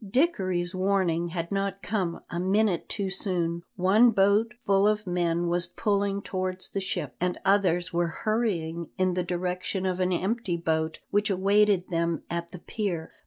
Dickory's warning had not come a minute too soon; one boat full of men was pulling towards the ship, and others were hurrying in the direction of an empty boat which awaited them at the pier.